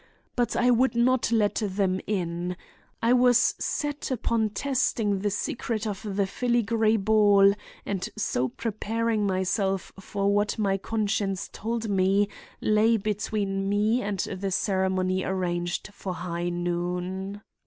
But I would not let them in. I was set upon testing the secret of the filigree ball and so preparing myself for what my conscience told me lay between me and the ceremony arranged for high noon.